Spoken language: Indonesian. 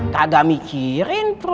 tadah mikirin perut santri yang lain